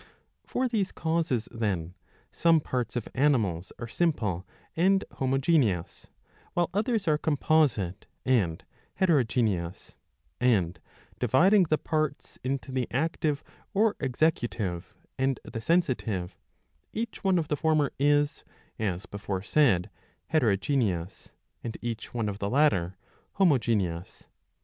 For these causes, then, some parts of animals are simple and homogeneous, while others are composite and hetero geneous ; and dividing the parts into the active or executive and the sensitive, each one of the former is, as before said, hetero geneous, and each one of the latter homogeneous.